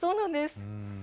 そうなんです。